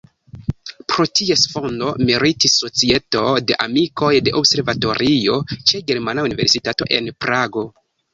Pro ties fondo meritis Societo de amikoj de observatorio ĉe Germana universitato en Prago.